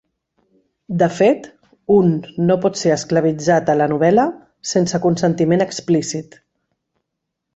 De fet, un no pot ser esclavitzat a la novel·la, sense consentiment explícit.